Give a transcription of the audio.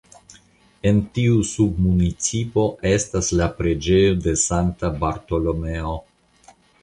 En tiu submunicipo estas la preĝejo de Sankta Bartolomeo.